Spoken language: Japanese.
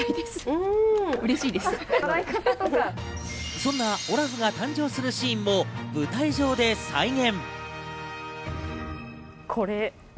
そんなオラフが誕生するシーンも舞台上で再現。